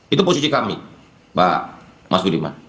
itu posisi kami mbak mas budiman